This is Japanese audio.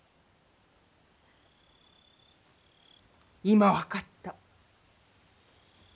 今分かった。